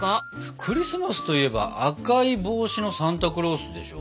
クリスマスといえば赤い帽子のサンタクロースでしょ？